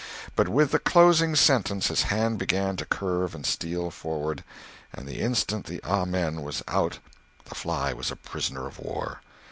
But with the closing sentence his hand began to curve and steal forward; and the instant the "Amen" was out the fly was a prisoner of war.